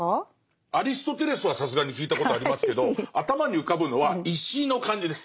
アリストテレスはさすがに聞いたことありますけど頭に浮かぶのは石の感じです。